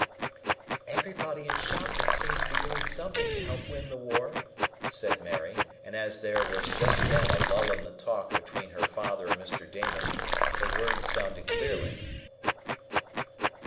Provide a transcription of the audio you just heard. "Everybody in Shopton seems to be doing something to help win the war," said Mary, and as there was just then a lull in the talk between her father and Mr. Damon her words sounded clearly.